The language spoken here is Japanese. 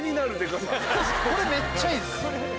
これめっちゃいいです。